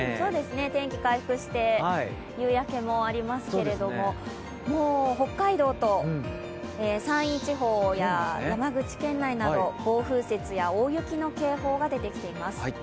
天気回復して、夕焼けもありますけども北海道と山陰地方や山口県内など暴風雪や大雪の警報が出てきています。